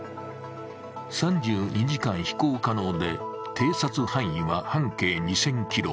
３２時間飛行可能で偵察範囲は半径２０００ｋｍ。